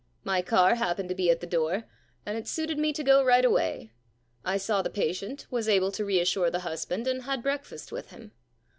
My car happened to be at the door, and it suited me to go right away. I saw the patient, was able to reassure the husband, and had break fast with him.